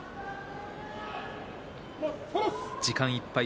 時間いっぱい。